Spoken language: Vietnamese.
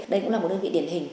đây cũng là một đơn vị điển hình